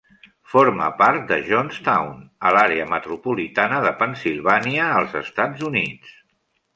Forma part de Johnstown, a l'àrea metropolitana de Pennsilvània, als Estats Units.